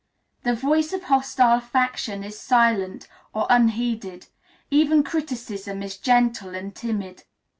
The voice of hostile faction is silent, or unheeded; even criticism is gentle and timid.